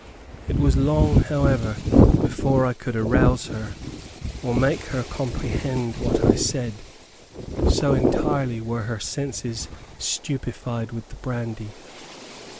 It was long, however, before I could arouse her, or make her comprehend what I said, so entirely were her senses stupified with the brandy.